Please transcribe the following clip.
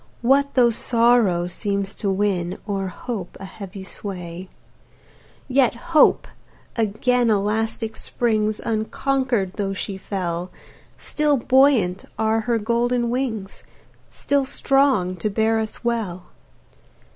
What though Sorrow seems to win, O'er hope a heavy sway? Yet Hope again elastic springs, Unconquered, though she fell, Still buoyant are her golden wings, Still strong to bear us well.